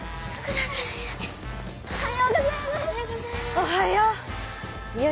おはようございます！